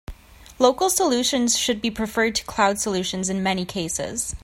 Local solutions should be preferred to cloud solutions in many cases.